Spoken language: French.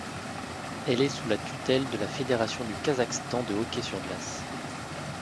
Elle est sous la tutelle de la Fédération du Kazakhstan de hockey sur glace.